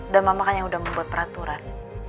dan mamah kan yang udah membuat peraturan